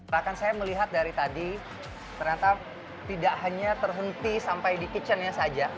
rakan saya melihat dari tadi ternyata tidak hanya terhenti sampai di kitchen nya saja